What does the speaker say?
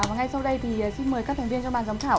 và ngay sau đây thì xin mời các thành viên trong bàn giám khảo